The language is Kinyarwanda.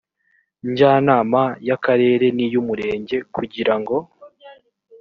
njyanama y akarere n iy umurenge kugira ngo